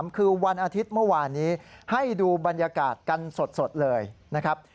คือวันอาทิตย์เมื่อวานนี้ให้ดูบรรยากาศกันสดเลยนะครับ